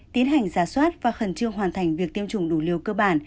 tiến hành giả soát và khẩn trương hoàn thành việc tiêm chủng đủ liều cơ bản